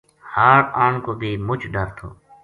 ہاڑ آن کو بے مُچ ڈر تھو